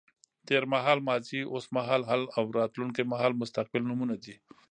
تېر مهال ماضي، اوس مهال حال او راتلونکی مهال مستقبل نومونه دي.